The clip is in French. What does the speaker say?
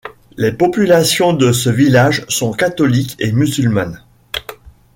Les populations de ce village sont catholiques et musulmanes.